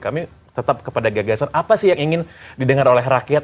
kami tetap kepada gagasan apa sih yang ingin didengar oleh rakyat